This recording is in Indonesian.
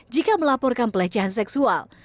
jika melaporkan pelecehan seksual